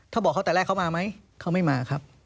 ถ้าบอกเขาแต่แรกเขามาไหมเขาไม่มาครับ